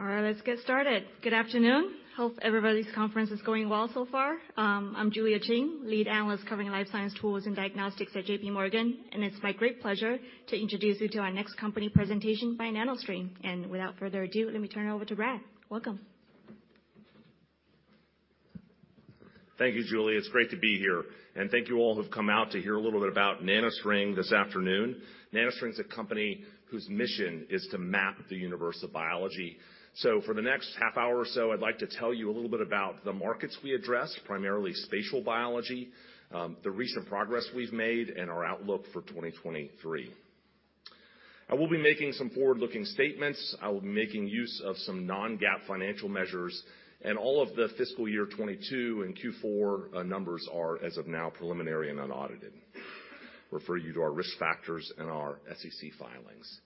All right, let's get started. Good afternoon. Hope everybody's conference is going well so far. I'm Julia Qin, lead analyst covering life science tools and diagnostics at J.P. Morgan. It's my great pleasure to introduce you to our next company presentation by NanoString. Without further ado, let me turn it over to Brad. Welcome. Thank you, Julia. It's great to be here. Thank you all who've come out to hear a little bit about NanoString this afternoon. NanoString is a company whose mission is to map the universe of biology. For the next half hour or so, I'd like to tell you a little bit about the markets we address, primarily spatial biology, the recent progress we've made, and our outlook for 2023. I will be making some forward-looking statements. I will be making use of some non-GAAP financial measures, and all of the fiscal year 2022 and Q4 numbers are, as of now, preliminary and unaudited. Refer you to our risk factors and our SEC filings.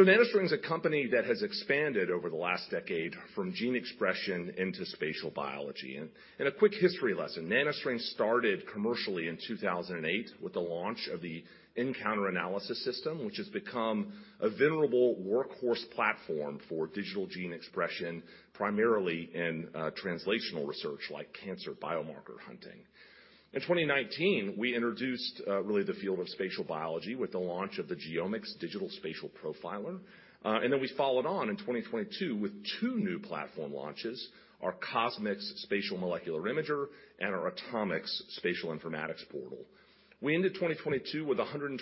NanoString is a company that has expanded over the last decade from gene expression into spatial biology. A quick history lesson. NanoString started commercially in 2008 with the launch of the nCounter Analysis System, which has become a venerable workhorse platform for digital gene expression, primarily in translational research like cancer biomarker hunting. In 2019, we introduced really the field of spatial biology with the launch of the GeoMx Digital Spatial Profiler. We followed on in 2022 with two new platform launches, our CosMx Spatial Molecular Imager and our AtoMx Spatial Informatics Portal. We ended 2022 with $127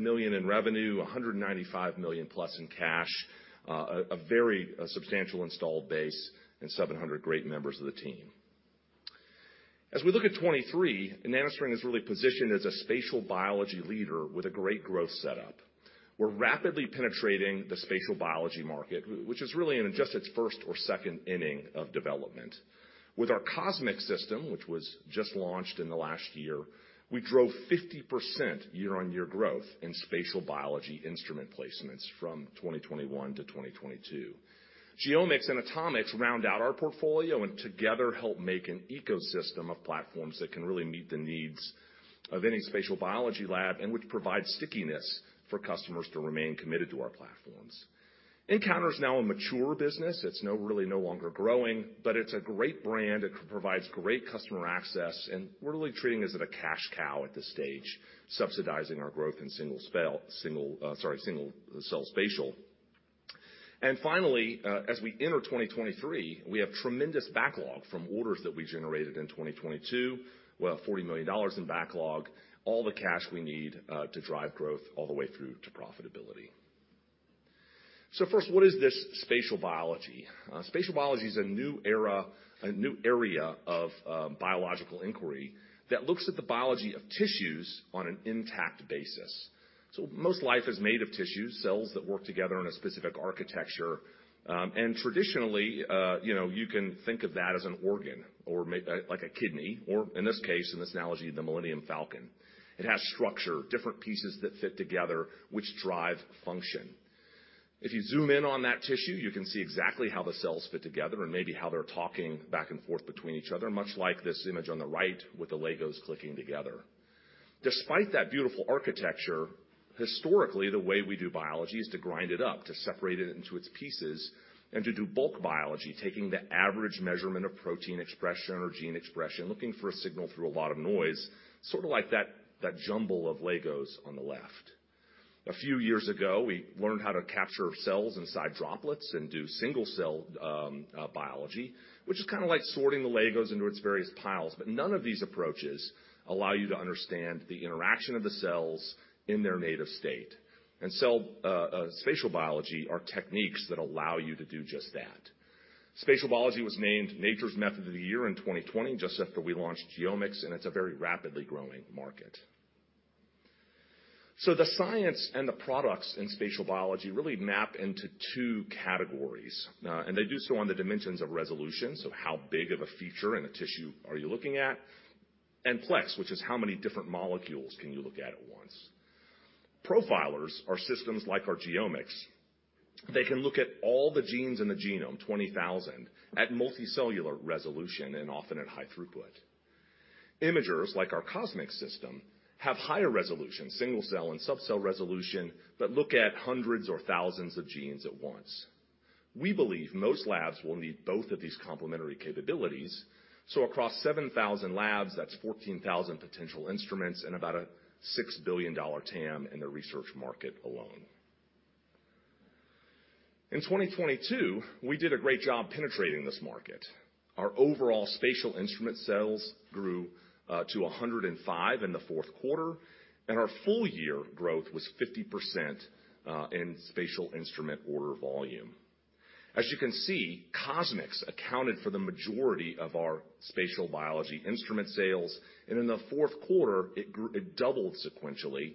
million in revenue, $195 million+ in cash, a very substantial installed base and 700 great members of the team. As we look at 2023, NanoString is really positioned as a spatial biology leader with a great growth setup. We're rapidly penetrating the spatial biology market, which is really in just its first or second inning of development. With our CosMx system, which was just launched in the last year, we drove 50% year-on-year growth in spatial biology instrument placements from 2021 to 2022. GeoMx and AtoMx round out our portfolio and together help make an ecosystem of platforms that can really meet the needs of any spatial biology lab and which provide stickiness for customers to remain committed to our platforms. nCounter is now a mature business. It's really no longer growing, but it's a great brand. It provides great customer access, and we're really treating it as a cash cow at this stage, subsidizing our growth in single-cell spatial. As we enter 2023, we have tremendous backlog from orders that we generated in 2022. We have $40 million in backlog, all the cash we need to drive growth all the way through to profitability. What is this spatial biology? Spatial biology is a new era, a new area of biological inquiry that looks at the biology of tissues on an intact basis. Most life is made of tissues, cells that work together in a specific architecture. Traditionally, you know, you can think of that as an organ or like a kidney or in this case, in this analogy, the Millennium Falcon. It has structure, different pieces that fit together, which drive function. If you zoom in on that tissue, you can see exactly how the cells fit together and maybe how they're talking back and forth between each other, much like this image on the right with the Legos clicking together. Despite that beautiful architecture, historically, the way we do biology is to grind it up, to separate it into its pieces and to do bulk biology, taking the average measurement of protein expression or gene expression, looking for a signal through a lot of noise, sort of like that jumble of Legos on the left. A few years ago, we learned how to capture cells inside droplets and do single cell biology, which is kinda like sorting the Legos into its various piles. None of these approaches allow you to understand the interaction of the cells in their native state. Cell spatial biology are techniques that allow you to do just that. Spatial biology was named Nature Methods Method of the Year in 2020, just after we launched GeoMx, it's a very rapidly growing market. The science and the products in spatial biology really map into two categories. They do so on the dimensions of resolution, so how big of a feature in a tissue are you looking at, and plex, which is how many different molecules can you look at at once. Profilers are systems like our GeoMx. They can look at all the genes in the genome, 20,000, at multicellular resolution and often at high throughput. Imagers, like our CosMx system, have higher resolution, single cell and subcell resolution, but look at hundreds or thousands of genes at once. We believe most labs will need both of these complementary capabilities. Across 7,000 labs, that's 14,000 potential instruments and about a $6 billion TAM in the research market alone. In 2022, we did a great job penetrating this market. Our overall spatial instrument sales grew to 105 in the fourth quarter, and our full year growth was 50% in spatial instrument order volume. As you can see, CosMx accounted for the majority of our spatial biology instrument sales, and in the fourth quarter, it doubled sequentially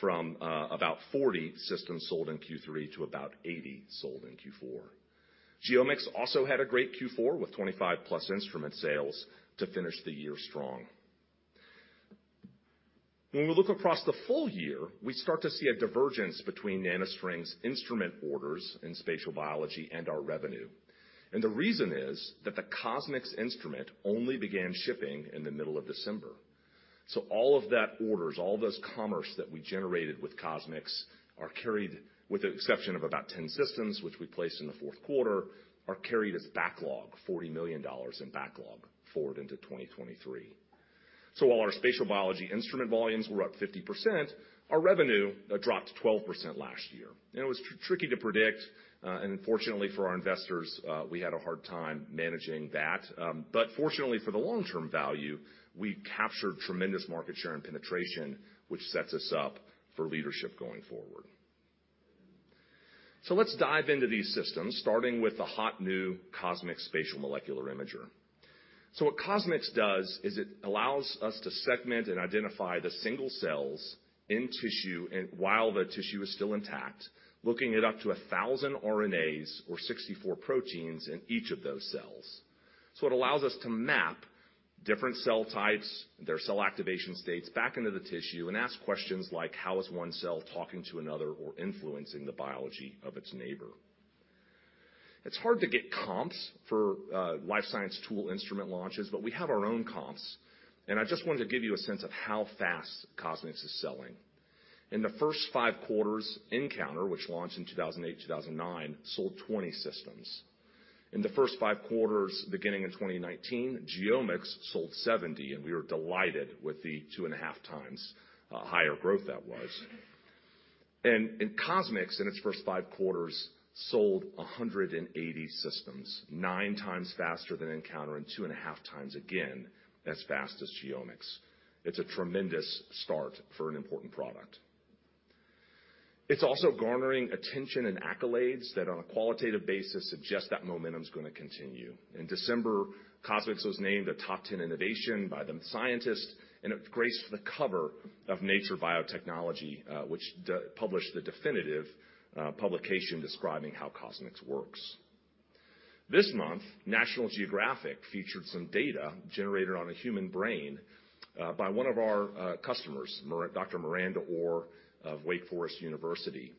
from about 40 systems sold in Q3 to about 80 sold in Q4. GeoMx also had a great Q4 with 25+ instrument sales to finish the year strong. When we look across the full year, we start to see a divergence between NanoString's instrument orders in spatial biology and our revenue. The reason is that the CosMx instrument only began shipping in the middle of December. All of that orders, all those commerce that we generated with CosMx are carried, with the exception of about 10 systems, which we placed in the fourth quarter, are carried as backlog, $40 million in backlog forward into 2023. While our spatial biology instrument volumes were up 50%, our revenue dropped 12% last year. It was tricky to predict, and unfortunately for our investors, we had a hard time managing that. Fortunately for the long-term value, we captured tremendous market share and penetration, which sets us up for leadership going forward. Let's dive into these systems, starting with the hot new CosMx Spatial Molecular Imager. What CosMx does is it allows us to segment and identify the single cells in tissue and while the tissue is still intact, looking at up to 1,000 RNAs or 64 proteins in each of those cells. It allows us to map different cell types, their cell activation states back into the tissue and ask questions like: How is one cell talking to another or influencing the biology of its neighbor? It's hard to get comps for life science tool instrument launches, but we have our own comps, and I just wanted to give you a sense of how fast CosMx is selling. In the first 5 quarters nCounter, which launched in 2008, 2009, sold 20 systems. In the first five quarters, beginning in 2019, GeoMx sold 70, and we were delighted with the two and a half times higher growth that was. CosMx, in its first five quarters, sold 180 systems, nine times faster than nCounter and two and a half times again, as fast as GeoMx. It's a tremendous start for an important product. It's also garnering attention and accolades that on a qualitative basis suggest that momentum is gonna continue. In December, CosMx was named a top 10 innovation by The Scientist, it graced the cover of Nature Biotechnology, which published the definitive publication describing how CosMx works. This month, National Geographic featured some data generated on a human brain by one of our customers, Dr. Miranda Orr of Wake Forest University,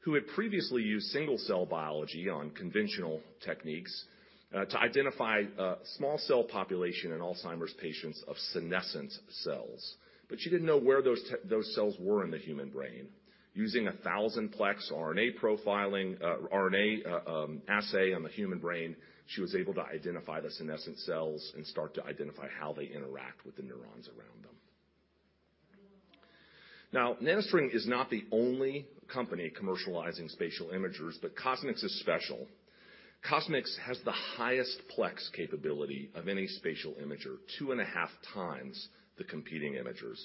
who had previously used single-cell biology on conventional techniques, to identify a small cell population in Alzheimer's patients of senescent cells. She didn't know where those cells were in the human brain. Using a 1,000 plex RNA profiling, RNA assay on the human brain, she was able to identify the senescent cells and start to identify how they interact with the neurons around them. NanoString is not the only company commercializing spatial imagers, but CosMx is special. CosMx has the highest plex capability of any spatial imager, 2.5 times the competing imagers.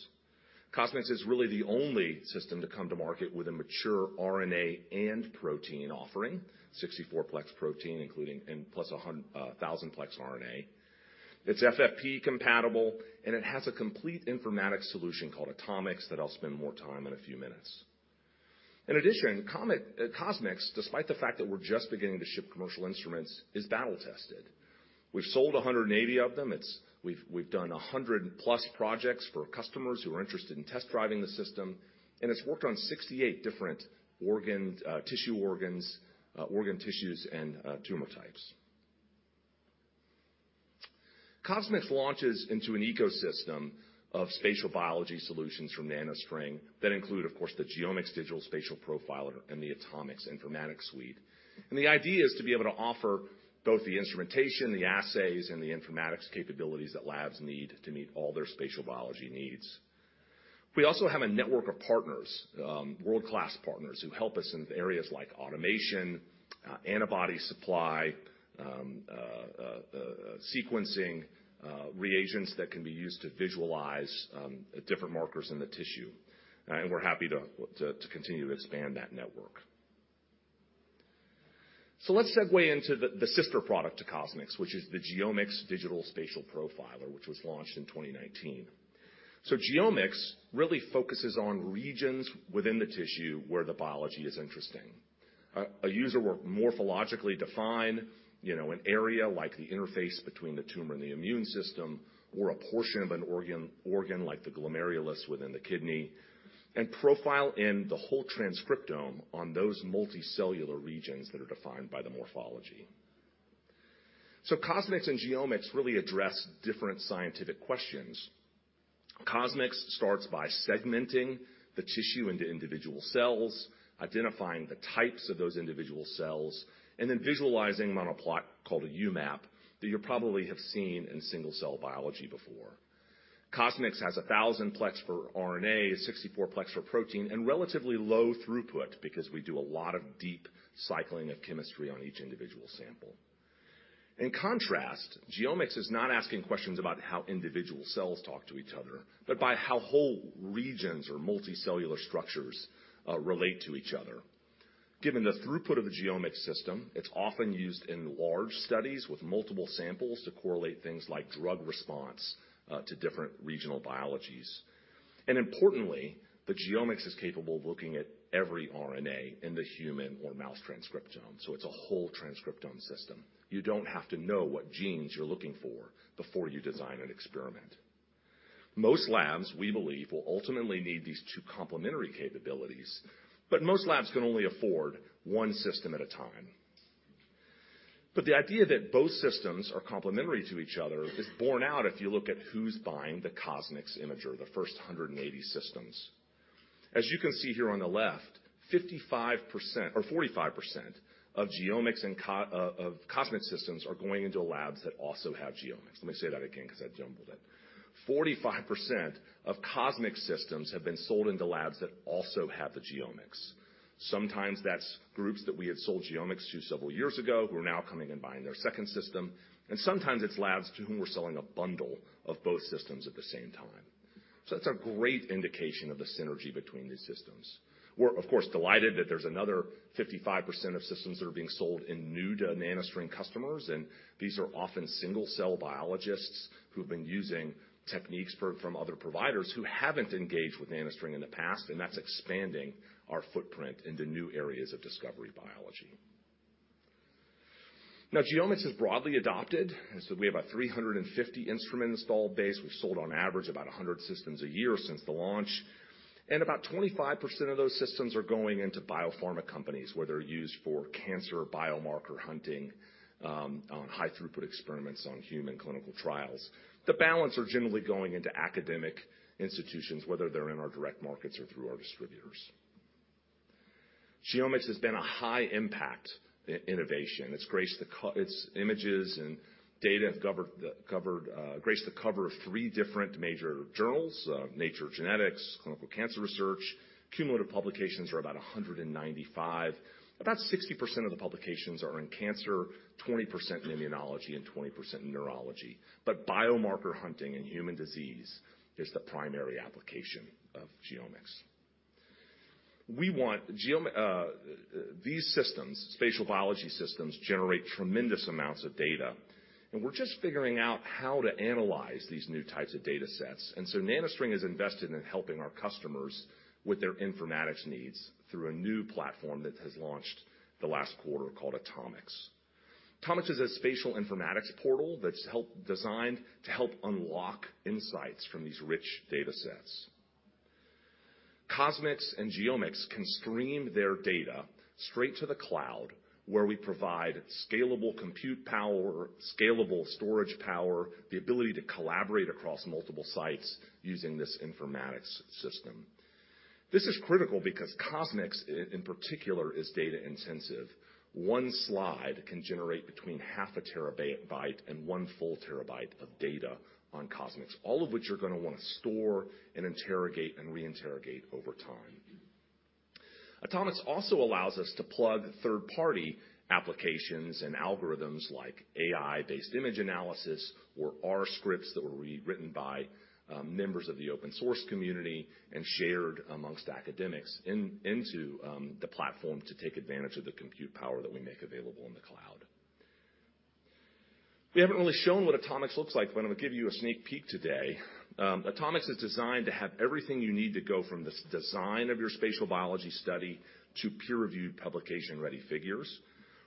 CosMx is really the only system to come to market with a mature RNA and protein offering, 64 plex protein, including and plus a 1,000 plex RNA. It's FFPE compatible, and it has a complete informatics solution called AtoMx that I'll spend more time in a few minutes. In addition, CosMx, despite the fact that we're just beginning to ship commercial instruments, is battle-tested. We've sold 180 of them. We've done 100+ projects for customers who are interested in test-driving the system, and it's worked on 68 different organ tissues and tumor types. CosMx launches into an ecosystem of spatial biology solutions from NanoString that include, of course, the GeoMx Digital Spatial Profiler and the AtoMx Informatics Suite. The idea is to be able to offer both the instrumentation, the assays, and the informatics capabilities that labs need to meet all their spatial biology needs. We also have a network of partners, world-class partners who help us in areas like automation, antibody supply, sequencing, reagents that can be used to visualize different markers in the tissue. We're happy to continue to expand that network. Let's segue into the sister product to CosMx, which is the GeoMx Digital Spatial Profiler, which was launched in 2019. GeoMx really focuses on regions within the tissue where the biology is interesting. A user will morphologically define, you know, an area like the interface between the tumor and the immune system or a portion of an organ like the glomerulus within the kidney and profile in the whole transcriptome on those multicellular regions that are defined by the morphology. CosMx and GeoMx really address different scientific questions. CosMx starts by segmenting the tissue into individual cells, identifying the types of those individual cells, and then visualizing them on a plot called a UMAP that you probably have seen in single-cell biology before. CosMx has 1,000 plex for RNA, 64 plex for protein, and relatively low throughput because we do a lot of deep cycling of chemistry on each individual sample. In contrast, GeoMx is not asking questions about how individual cells talk to each other, but by how whole regions or multicellular structures relate to each other. Given the throughput of a GeoMx system, it's often used in large studies with multiple samples to correlate things like drug response to different regional biologies. Importantly, the GeoMx is capable of looking at every RNA in the human or mouse transcriptome, so it's a whole transcriptome system. You don't have to know what genes you're looking for before you design an experiment. Most labs, we believe, will ultimately need these two complementary capabilities, most labs can only afford one system at a time. The idea that both systems are complementary to each other is borne out if you look at who's buying the CosMx imager, the first 180 systems. As you can see here on the left, 55% or 45% of GeoMx of CosMx systems are going into labs that also have GeoMx. Let me say that again because I jumbled it. 45% of CosMx systems have been sold into labs that also have the GeoMx. Sometimes that's groups that we had sold GeoMx to several years ago who are now coming and buying their second system, and sometimes it's labs to whom we're selling a bundle of both systems at the same time. That's a great indication of the synergy between these systems. We're, of course, delighted that there's another 55% of systems that are being sold in new to NanoString customers. These are often single-cell biologists who've been using techniques from other providers who haven't engaged with NanoString in the past, and that's expanding our footprint into new areas of discovery biology. GeoMx is broadly adopted. We have a 350 instrument install base. We've sold on average about 100 systems a year since the launch, and about 25% of those systems are going into biopharma companies, where they're used for cancer biomarker hunting on high throughput experiments on human clinical trials. The balance are generally going into academic institutions, whether they're in our direct markets or through our distributors. GeoMx has been a high impact innovation. Its images and data have covered graced the cover of three different major journals, Nature Genetics, Clinical Cancer Research. Cumulative publications are about 195. About 60% of the publications are in cancer, 20% in immunology, and 20% in neurology. Biomarker hunting in human disease is the primary application of GeoMx. We want GeoMx, these systems, spatial biology systems, generate tremendous amounts of data, and we're just figuring out how to analyze these new types of datasets. NanoString is invested in helping our customers with their informatics needs through a new platform that has launched the last quarter called AtoMx. AtoMx is a spatial informatics portal that's designed to help unlock insights from these rich datasets. CosMx and GeoMx can stream their data straight to the cloud, where we provide scalable compute power, scalable storage power, the ability to collaborate across multiple sites using this informatics system. This is critical because CosMx in particular is data-intensive. one slide can generate between half a terabyte and one full terabyte of data on CosMx, all of which you're gonna wanna store and interrogate and reinterrogate over time. AtoMx also allows us to plug third-party applications and algorithms like AI-based image analysis or R scripts that were rewritten by members of the open source community and shared amongst academics into the platform to take advantage of the compute power that we make available in the cloud. We haven't really shown what AtoMx looks like, but I'm gonna give you a sneak peek today. AtoMx is designed to have everything you need to go from the design of your spatial biology study to peer-reviewed publication-ready figures.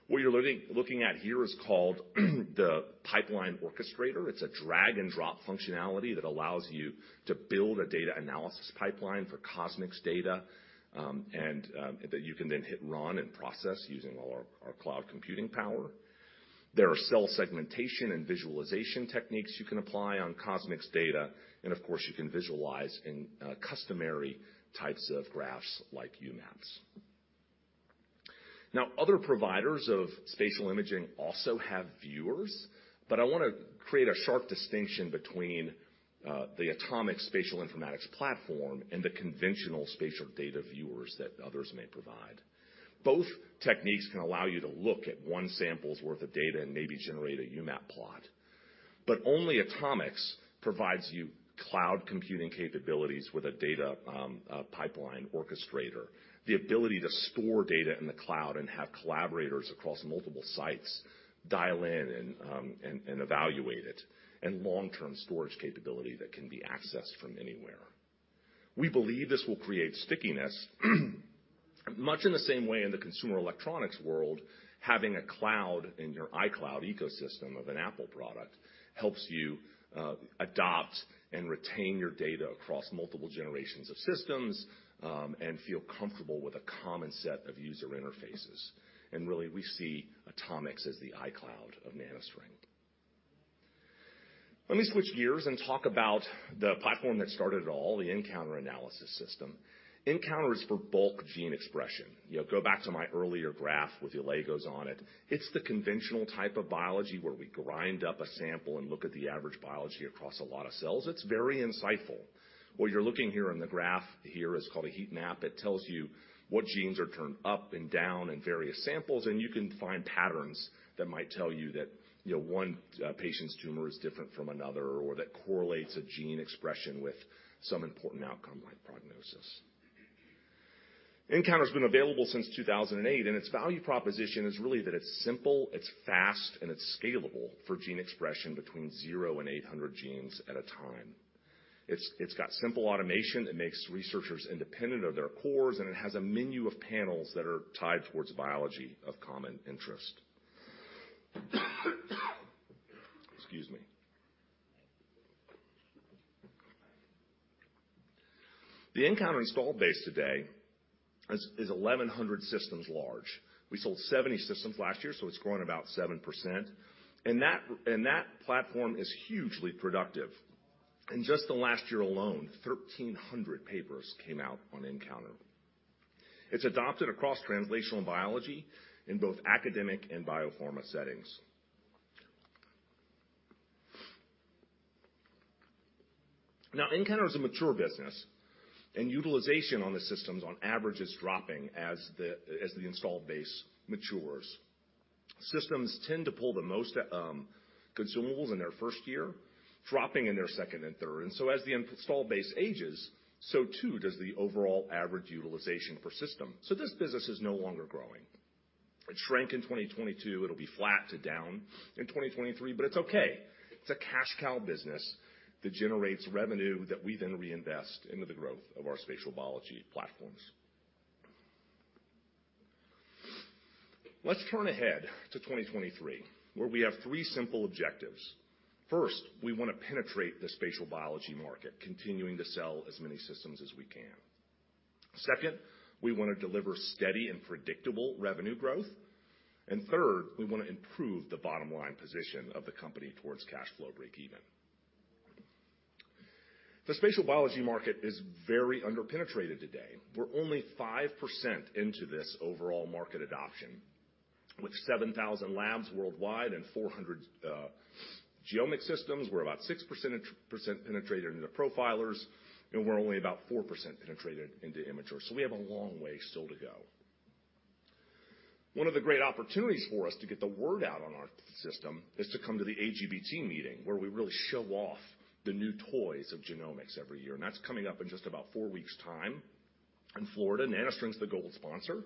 What you're looking at here is called the pipeline orchestrator. It's a drag and drop functionality that allows you to build a data analysis pipeline for CosMx data, and that you can then hit Run and Process using all our cloud computing power. There are cell segmentation and visualization techniques you can apply on CosMx data and, of course, you can visualize in customary types of graphs like UMAPs. Other providers of spatial imaging also have viewers, but I wanna create a sharp distinction between the AtoMx spatial informatics platform and the conventional spatial data viewers that others may provide. Both techniques can allow you to look at one sample's worth of data and maybe generate a UMAP plot. Only AtoMx provides you cloud computing capabilities with a data pipeline orchestrator, the ability to store data in the cloud and have collaborators across multiple sites dial in and evaluate it, and long-term storage capability that can be accessed from anywhere. We believe this will create stickiness, much in the same way in the consumer electronics world, having a cloud in your iCloud ecosystem of an Apple product helps you adopt and retain your data across multiple generations of systems and feel comfortable with a common set of user interfaces. Really we see AtoMx as the iCloud of NanoString. Let me switch gears and talk about the platform that started it all, the nCounter Analysis System. nCounter is for bulk gene expression. You know, go back to my earlier graph with the LEGOs on it. It's the conventional type of biology where we grind up a sample and look at the average biology across a lot of cells. It's very insightful. What you're looking here on the graph here is called a heat map. It tells you what genes are turned up and down in various samples. You can find patterns that might tell you that, you know, one patient's tumor is different from another or that correlates a gene expression with some important outcome like prognosis. nCounter's been available since 2008. Its value proposition is really that it's simple, it's fast, and it's scalable for gene expression between 0 and 800 genes at a time. It's got simple automation, it makes researchers independent of their cores. It has a menu of panels that are tied towards biology of common interest. Excuse me. The nCounter install base today is 1,100 systems large. We sold 70 systems last year. It's grown about 7%. That platform is hugely productive. In just the last year alone, 1,300 papers came out on nCounter. It's adopted across translational biology in both academic and biopharma settings. nCounter is a mature business, and utilization on the systems on average is dropping as the installed base matures. Systems tend to pull the most consumables in their first year, dropping in their second and third. As the installed base ages, so too does the overall average utilization per system. This business is no longer growing. It shrank in 2022, it'll be flat to down in 2023, it's okay. It's a cash cow business that generates revenue that we then reinvest into the growth of our spatial biology platforms. Let's turn ahead to 2023, where we have three simple objectives. First, we wanna penetrate the spatial biology market, continuing to sell as many systems as we can. Second, we wanna deliver steady and predictable revenue growth. Third, we wanna improve the bottom line position of the company towards cash flow breakeven. The spatial biology market is very under-penetrated today. We're only 5% into this overall market adoption, with 7,000 labs worldwide and 400 GeoMx systems. We're about 6% penetrated into Profilers, and we're only about 4% penetrated into Imagers. We have a long way still to go. One of the great opportunities for us to get the word out on our system is to come to the AGBT meeting, where we really show off the new toys of genomics every year, and that's coming up in just about four weeks time in Florida. NanoString's the gold sponsor.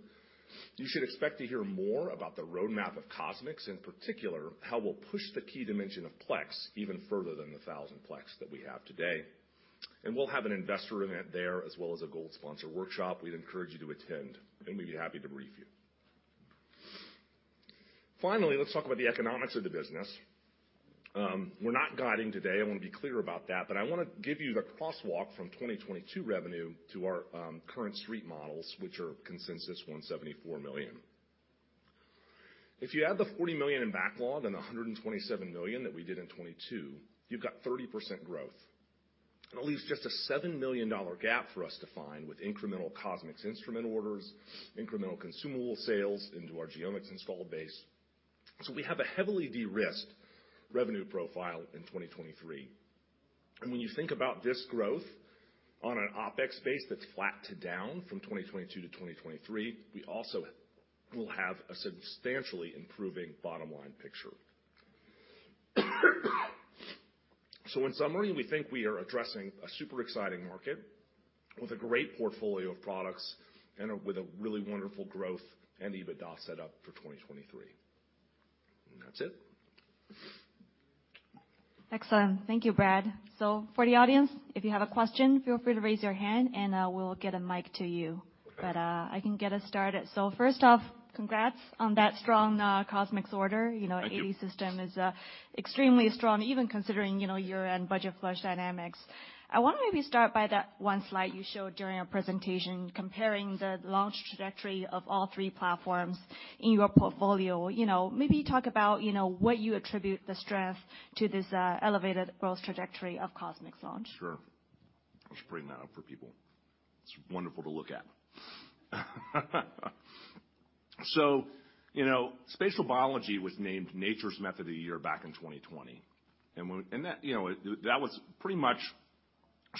You should expect to hear more about the roadmap of CosMx, in particular, how we'll push the key dimension of plex even further than the 1,000 plex that we have today. We'll have an investor event there as well as a gold sponsor workshop. We'd encourage you to attend, and we'd be happy to brief you. Finally, let's talk about the economics of the business. We're not guiding today, I wanna be clear about that, but I wanna give you the crosswalk from 2022 revenue to our current street models, which are consensus $174 million. If you add the $40 million in backlog and the $127 million that we did in 2022, you've got 30% growth. It leaves just a $7 million gap for us to find with incremental CosMx instrument orders, incremental consumable sales into our GeoMx installed base. We have a heavily de-risked revenue profile in 2023. When you think about this growth on an OpEx base that's flat to down from 2022 to 2023, we also will have a substantially improving bottom line picture. In summary, we think we are addressing a super exciting market with a great portfolio of products and a with a really wonderful growth and EBITDA setup for 2023. That's it. Excellent. Thank you, Brad. For the audience, if you have a question, feel free to raise your hand and, we'll get a mic to you. Okay. I can get us started. First off, congrats on that strong CosMx order. You know... Thank you. -eighty system is extremely strong, even considering, you know, year-end budget flush dynamics. I wanna maybe start by that one slide you showed during our presentation comparing the launch trajectory of all three platforms in your portfolio. You know, maybe talk about, you know, what you attribute the strength to this elevated growth trajectory of CosMx launch. Sure. I should bring that up for people. It's wonderful to look at. You know, spatial biology was named Nature's Method of the Year back in 2020. That, you know, that was pretty much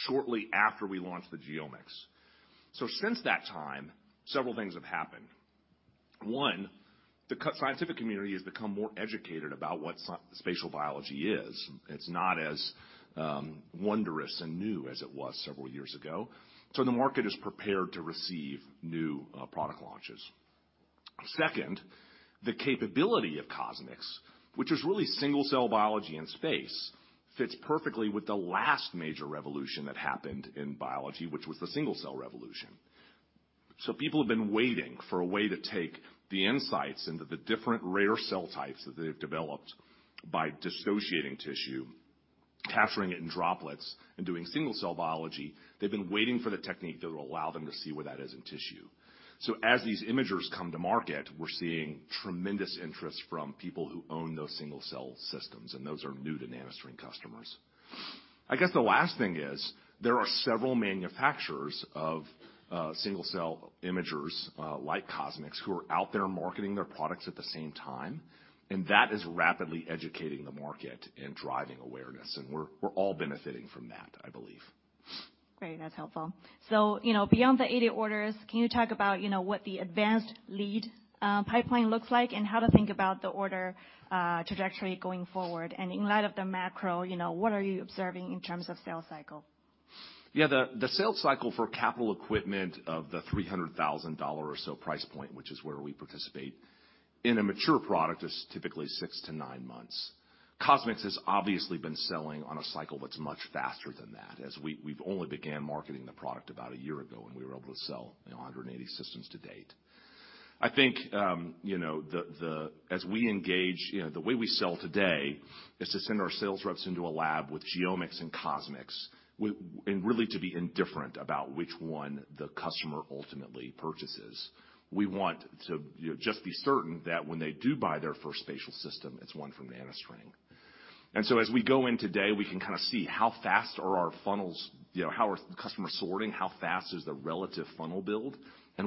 shortly after we launched the GeoMx. Since that time, several things have happened. One, the scientific community has become more educated about what spatial biology is. It's not as wondrous and new as it was several years ago. The market is prepared to receive new product launches. Second, the capability of CosMx, which is really single-cell biology in space, fits perfectly with the last major revolution that happened in biology, which was the single-cell revolution. People have been waiting for a way to take the insights into the different rare cell types that they've developed by dissociating tissue, capturing it in droplets, and doing single-cell biology. They've been waiting for the technique that will allow them to see where that is in tissue. As these imagers come to market, we're seeing tremendous interest from people who own those single-cell systems, and those are new to NanoString customers. I guess the last thing is there are several manufacturers of single-cell imagers, like CosMx, who are out there marketing their products at the same time, and that is rapidly educating the market and driving awareness, and we're all benefiting from that, I believe. Great. That's helpful. You know, beyond the 80 orders, can you talk about, you know, what the advanced lead pipeline looks like and how to think about the order trajectory going forward? In light of the macro, you know, what are you observing in terms of sales cycle? Yeah. The sales cycle for capital equipment of the $300,000 or so price point, which is where we participate in a mature product, is typically six to nine months. CosMx has obviously been selling on a cycle that's much faster than that, as we've only began marketing the product about a year ago. We're able to sell, you know, 180 systems to date. I think, you know, as we engage, you know, the way we sell today is to send our sales reps into a lab with GeoMx and CosMx and really to be indifferent about which one the customer ultimately purchases. We want to, you know, just be certain that when they do buy their first spatial system, it's one from NanoString. As we go in today, we can kind of see how fast are our funnels, you know, how are customers sorting, how fast is the relative funnel build.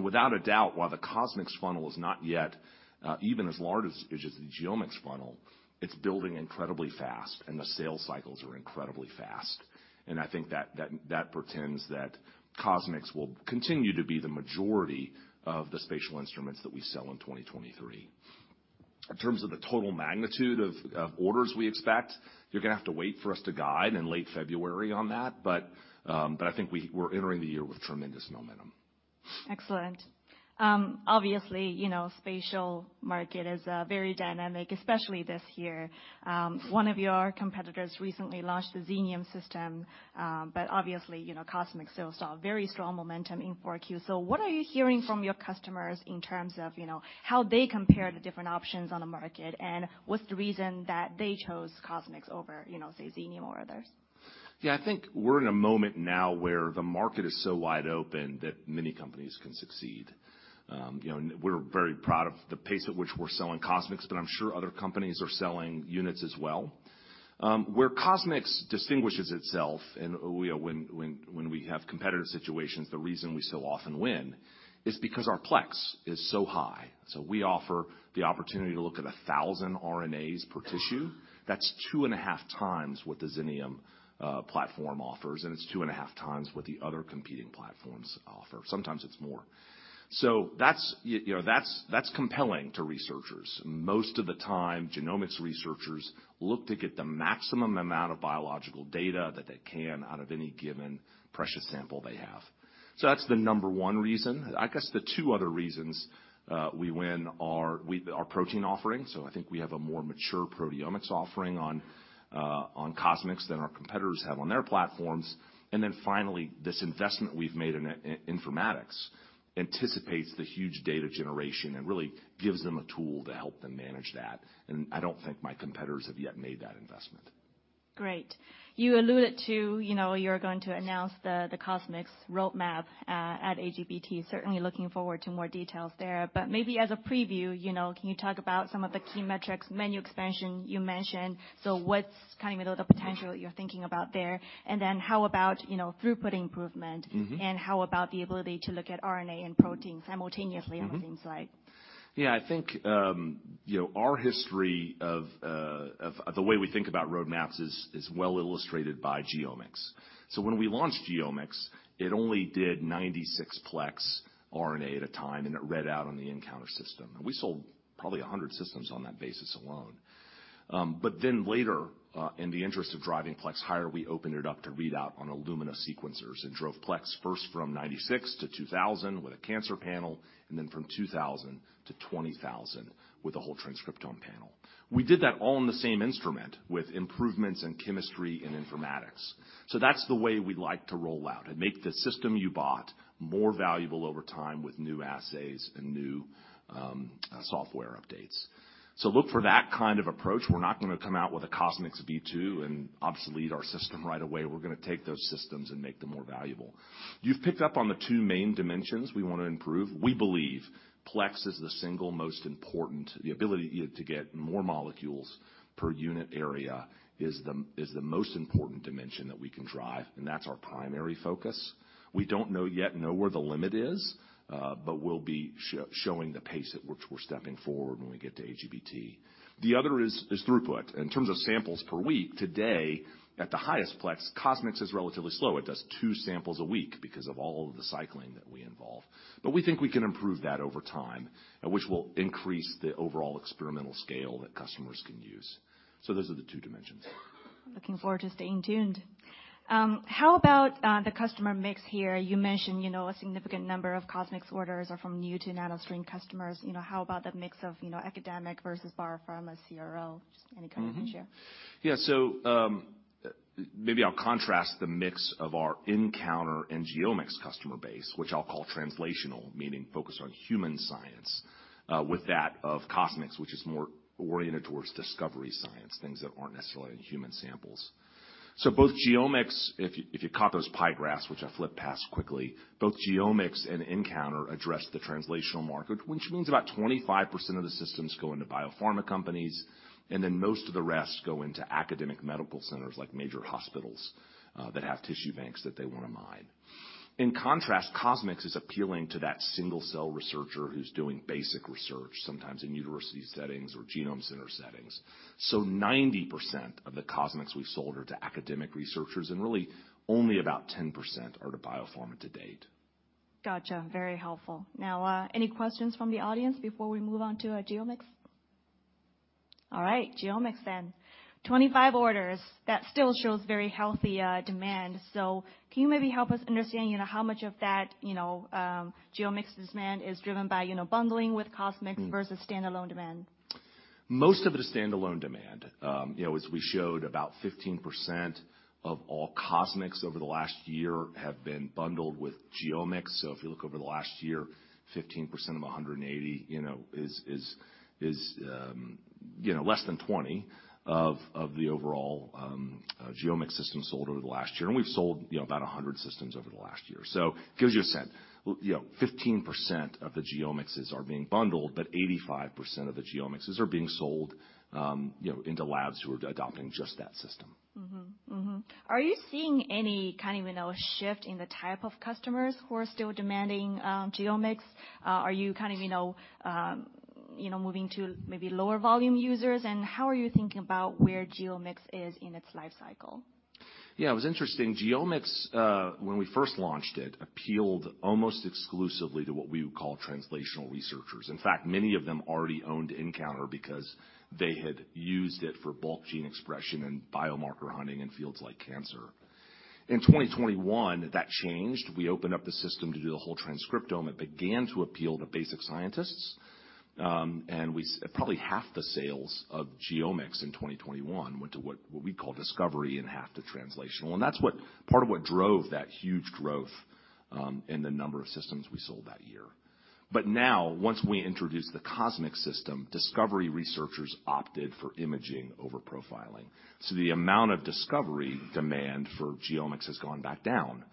Without a doubt, while the CosMx funnel is not yet, even as large as the GeoMx funnel, it's building incredibly fast, and the sales cycles are incredibly fast. I think that portends that CosMx will continue to be the majority of the spatial instruments that we sell in 2023. In terms of the total magnitude of orders we expect, you're gonna have to wait for us to guide in late February on that, but I think we're entering the year with tremendous momentum. Excellent. obviously, you know, spatial market is very dynamic, especially this year. One of your competitors recently launched the Xenium system, but obviously, you know, CosMx still saw very strong momentum in 4Q. What are you hearing from your customers in terms of, you know, how they compare the different options on the market, and what's the reason that they chose CosMx over, you know, say, Xenium or others? Yeah. I think we're in a moment now where the market is so wide open that many companies can succeed. you know, we're very proud of the pace at which we're selling CosMx, but I'm sure other companies are selling units as well. where CosMx distinguishes itself, you know, when we have competitive situations, the reason we so often win is because our plex is so high. We offer the opportunity to look at 1,000 RNAs per tissue. That's 2.5 times what the Xenium platform offers, and it's 2.5 times what the other competing platforms offer. Sometimes it's more. That's, you know, that's compelling to researchers. Most of the time, genomics researchers look to get the maximum amount of biological data that they can out of any given precious sample they have. That's the number one reason. I guess the two other reasons we win are our protein offerings. I think we have a more mature proteomics offering on CosMx than our competitors have on their platforms. Finally, this investment we've made in i-informatics anticipates the huge data generation and really gives them a tool to help them manage that. I don't think my competitors have yet made that investment. Great. You alluded to, you know, you're going to announce the CosMx roadmap at AGBT, certainly looking forward to more details there. Maybe as a preview, you know, can you talk about some of the key metrics, menu expansion you mentioned? What's kind of, you know, the potential you're thinking about there? How about, you know, throughput improvement. Mm-hmm. How about the ability to look at RNA and protein simultaneously? Mm-hmm. on the same site? I think, you know, our history of the way we think about roadmaps is well illustrated by GeoMx. When we launched GeoMx, it only did 96 plex RNA at a time, and it read out on the nCounter system. We sold probably 100 systems on that basis alone. Later, in the interest of driving plex higher, we opened it up to read out on Illumina sequencers and drove plex first from 96 to 2,000 with a cancer panel, and then from 2,000 to 20,000 with a whole transcriptome panel. We did that all in the same instrument with improvements in chemistry and informatics. That's the way we like to roll out and make the system you bought more valuable over time with new assays and new software updates. Look for that kind of approach. We're not gonna come out with a CosMx V2 and obsolete our system right away. We're gonna take those systems and make them more valuable. You've picked up on the two main dimensions we wanna improve. We believe plex is the single most important. The ability you to get more molecules per unit area is the most important dimension that we can drive, and that's our primary focus. We don't know yet where the limit is, but we'll be showing the pace at which we're stepping forward when we get to AGBT. The other is throughput. In terms of samples per week, today, at the highest plex, CosMx is relatively slow. It does two samples a week because of all of the cycling that we involve. We think we can improve that over time, which will increase the overall experimental scale that customers can use. Those are the two dimensions. Looking forward to staying tuned. How about the customer mix here? You mentioned, you know, a significant number of CosMx orders are from new to NanoString customers. You know, how about the mix of, you know, academic versus biopharma CRO? Just any kind of insight. Yeah. Maybe I'll contrast the mix of our nCounter and GeoMx customer base, which I'll call translational, meaning focused on human science, with that of CosMx, which is more oriented towards discovery science, things that aren't necessarily in human samples. Both GeoMx, if you caught those pie graphs, which I flipped past quickly, both GeoMx and nCounter address the translational market, which means about 25% of the systems go into biopharma companies, and then most of the rest go into academic medical centers, like major hospitals, that have tissue banks that they wanna mine. In contrast, CosMx is appealing to that single-cell researcher who's doing basic research, sometimes in university settings or genome center settings. 90% of the CosMx we've sold are to academic researchers, and really only about 10% are to biopharma to date. Gotcha. Very helpful. Now, any questions from the audience before we move on to GeoMx? All right. GeoMx then. 25 orders, that still shows very healthy demand. Can you maybe help us understand, you know, how much of that, you know, GeoMx demand is driven by, you know, bundling with CosMx? Mm. -versus standalone demand? Most of it is standalone demand. You know, as we showed, about 15% of all CosMx over the last year have been bundled with GeoMx. If you look over the last year, 15% of 180, you know, is less than 20 of the overall GeoMx systems sold over the last year. We've sold, you know, about 100 systems over the last year. Gives you a sense. You know, 15% of the GeoMx's are being bundled, but 85% of the GeoMx's are being sold, you know, into labs who are adopting just that system. Are you seeing any kind of, you know, shift in the type of customers who are still demanding GeoMx? Are you kind of, you know, you know, moving to maybe lower volume users? How are you thinking about where GeoMx is in its life cycle? It was interesting. GeoMx, when we first launched it, appealed almost exclusively to what we would call translational researchers. In fact, many of them already owned nCounter because they had used it for bulk gene expression and biomarker hunting in fields like cancer. In 2021, that changed. We opened up the system to do the whole transcriptome. It began to appeal to basic scientists. We probably half the sales of GeoMx in 2021 went to what we call discovery and half to translational, and that's what part of what drove that huge growth, in the number of systems we sold that year. Once we introduced the CosMx system, discovery researchers opted for imaging over profiling. The amount of discovery demand for GeoMx has gone back down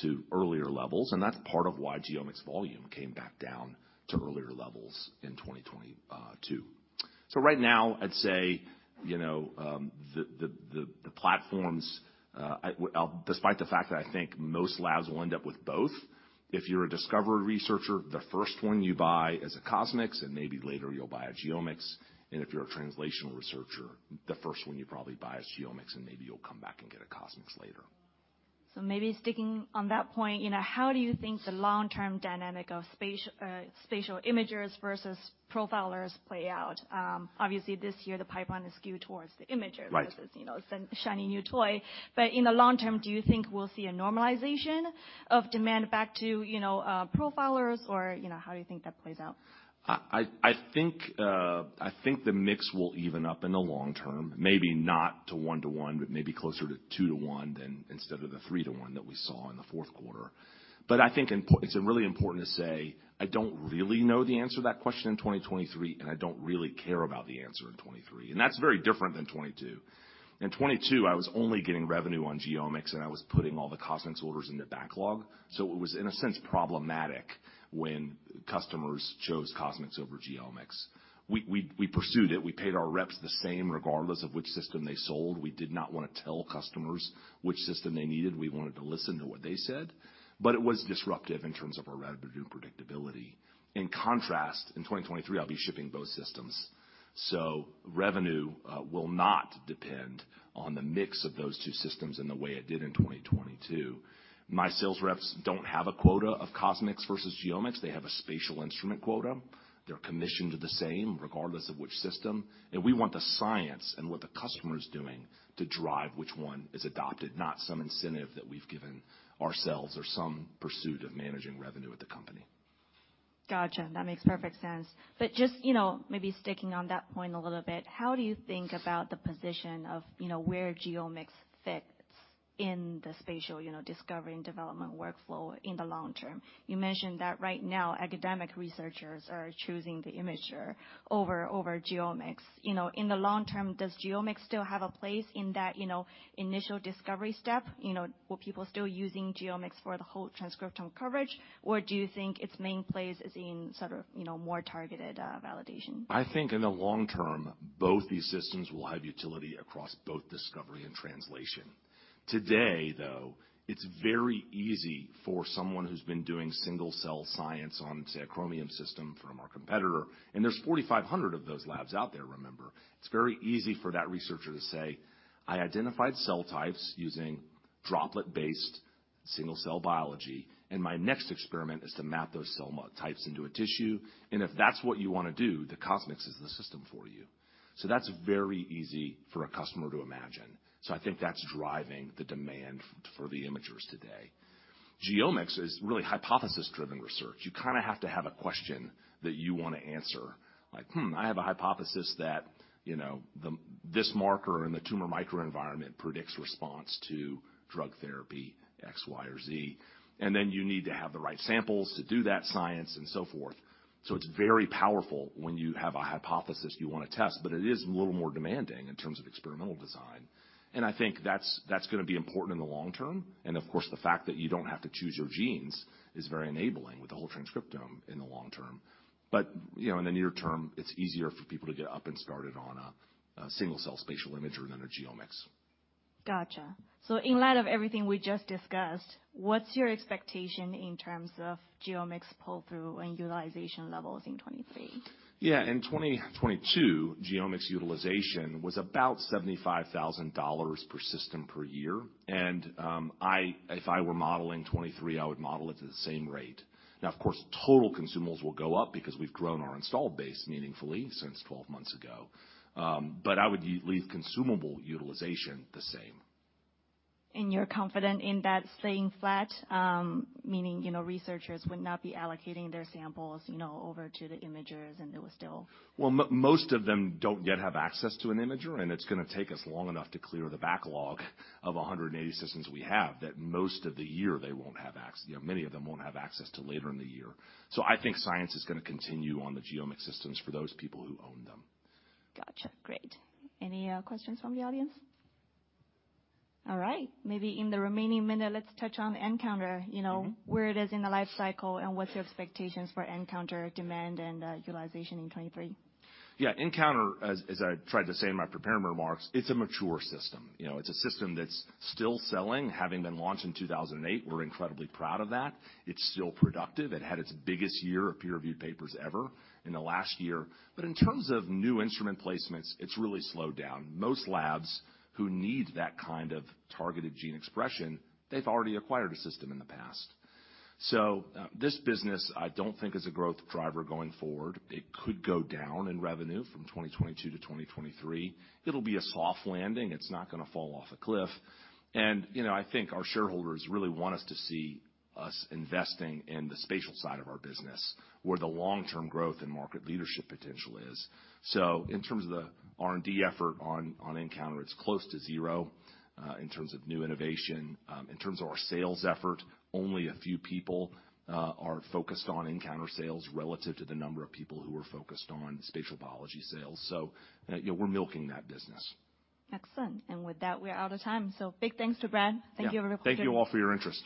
to earlier levels, and that's part of why GeoMx volume came back down to earlier levels in 2022. Right now, I'd say, you know, the platforms, despite the fact that I think most labs will end up with both, if you're a discovery researcher, the first one you buy is a CosMx, and maybe later you'll buy a GeoMx. If you're a translational researcher, the first one you probably buy is GeoMx, and maybe you'll come back and get a CosMx later. Maybe sticking on that point, you know, how do you think the long-term dynamic of spatial imagers versus profilers play out? Obviously this year the pipeline is skewed towards the imagers. Right. because it's, you know, some shiny new toy. In the long term, do you think we'll see a normalization of demand back to, you know, profilers? Or, you know, how do you think that plays out? I think the mix will even up in the long term, maybe not to one to one, but maybe closer to two to one than instead of the three to one that we saw in the fourth quarter. I think it's really important to say I don't really know the answer to that question in 2023, and I don't really care about the answer in 2023. That's very different than 2022. In 2022, I was only getting revenue on GeoMx, and I was putting all the CosMx orders in the backlog. It was, in a sense, problematic when customers chose CosMx over GeoMx. We pursued it. We paid our reps the same, regardless of which system they sold. We did not wanna tell customers which system they needed. We wanted to listen to what they said. It was disruptive in terms of our revenue predictability. In contrast, in 2023, I'll be shipping both systems, so revenue will not depend on the mix of those two systems in the way it did in 2022. My sales reps don't have a quota of CosMx versus GeoMx. They have a spatial instrument quota. They're commissioned the same regardless of which system. We want the science and what the customer is doing to drive which one is adopted, not some incentive that we've given ourselves or some pursuit of managing revenue at the company. Gotcha. That makes perfect sense. Just, you know, maybe sticking on that point a little bit, how do you think about the position of, you know, where GeoMx fits in the spatial, you know, discovery and development workflow in the long term? You mentioned that right now, academic researchers are choosing the imager over GeoMx. You know, in the long term, does GeoMx still have a place in that, you know, initial discovery step? You know, were people still using GeoMx for the whole transcriptome coverage, or do you think its main place is in sort of, you know, more targeted validation? I think in the long term, both these systems will have utility across both discovery and translation. Today, though, it's very easy for someone who's been doing single-cell science on, say, a Chromium system from our competitor, and there's 4,500 of those labs out there, remember. It's very easy for that researcher to say, "I identified cell types using droplet-based single-cell biology, and my next experiment is to map those cell types into a tissue." If that's what you wanna do, the CosMx is the system for you. That's very easy for a customer to imagine. I think that's driving the demand for the imagers today. GeoMx is really hypothesis-driven research. You kind of have to have a question that you wanna answer, like, "Hmm, I have a hypothesis that, you know, this marker in the tumor microenvironment predicts response to drug therapy X, Y, or Z." Then you need to have the right samples to do that science and so forth. So it's very powerful when you have a hypothesis you wanna test, but it is a little more demanding in terms of experimental design, and I think that's gonna be important in the long term. Of course, the fact that you don't have to choose your genes is very enabling with the whole transcriptome in the long term. You know, in the near term, it's easier for people to get up and started on a single cell spatial imager than a GeoMx. Gotcha. In light of everything we just discussed, what's your expectation in terms of GeoMx pull-through and utilization levels in 2023? Yeah. In 2022, GeoMx utilization was about $75,000 per system per year. If I were modeling 2023, I would model it to the same rate. Now, of course, total consumables will go up because we've grown our installed base meaningfully since 12 months ago. I would leave consumable utilization the same. You're confident in that staying flat, meaning, you know, researchers would not be allocating their samples, you know, over to the imagers. Well, most of them don't yet have access to an imager, and it's gonna take us long enough to clear the backlog of 180 systems we have that most of the year they won't have you know, many of them won't have access till later in the year. I think science is gonna continue on the GeoMx systems for those people who own them. Gotcha. Great. Any questions from the audience? All right. Maybe in the remaining minute, let's touch on nCounter. Mm-hmm. You know, where it is in the life cycle, what's your expectations for nCounter demand and utilization in 2023? Yeah. nCounter, as I tried to say in my prepared remarks, it's a mature system. You know, it's a system that's still selling, having been launched in 2008. We're incredibly proud of that. It's still productive. It had its biggest year of peer-reviewed papers ever in the last year. In terms of new instrument placements, it's really slowed down. Most labs who need that kind of targeted gene expression, they've already acquired a system in the past. This business, I don't think is a growth driver going forward. It could go down in revenue from 2022 to 2023. It'll be a soft landing. It's not gonna fall off a cliff. You know, I think our shareholders really want us to see us investing in the spatial side of our business, where the long-term growth and market leadership potential is. In terms of the R&D effort on nCounter, it's close to zero in terms of new innovation. In terms of our sales effort, only a few people are focused on nCounter sales relative to the number of people who are focused on spatial biology sales. You know, we're milking that business. Excellent. With that, we are out of time. Big thanks to Brad. Yeah. Thank you, everyone. Thank you all for your interest.